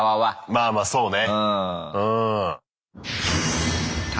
まあまあそうね。